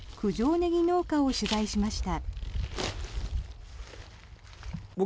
ネギ農家を取材しました。